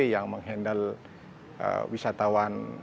yang mengendal wisatawan